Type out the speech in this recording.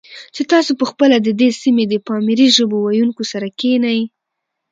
چې تاسې په خپله د دې سیمې د پامیري ژبو ویونکو سره کښېنئ،